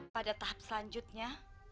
pada tahap selanjutnya